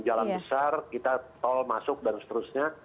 jalan besar kita tol masuk dan seterusnya